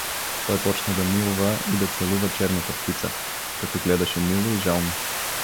Той почна да милва и да целува черната птица, която гледаше мило и жално.